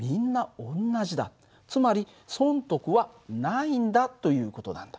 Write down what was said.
つまり損得はないんだという事なんだ。